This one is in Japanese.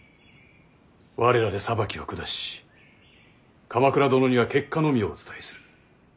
我らで裁きを下し鎌倉殿には結果のみをお伝えする。